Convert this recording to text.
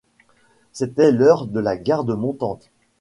C'était l'heure de la garde montante.